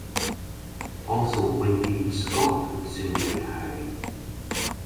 Also Winfield Scott would soon be retiring.